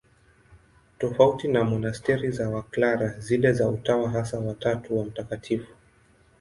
Tofauti na monasteri za Waklara, zile za Utawa Hasa wa Tatu wa Mt.